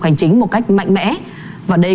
hành chính một cách mạnh mẽ và đây